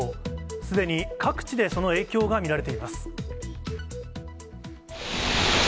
すでに各地でその影響が見られています。